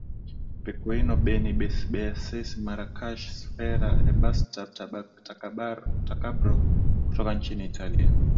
Pequeno Benny Benassi Marracash Sfera Ebbasta Tacabro kutoka nchini Italia